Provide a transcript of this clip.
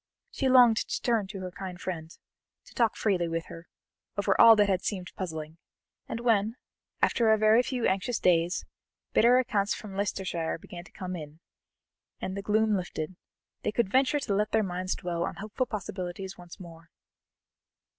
She longed to turn to her kind friend, to talk freely with her, over all that had seemed puzzling, and when, after a very few anxious days, better accounts from Leicestershire began to come in, and the gloom lifted, they could venture to let their minds dwell on hopeful possibilities once more.